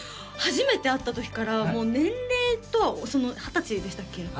初めて会ったときからもう年齢とその二十歳でしたっけ？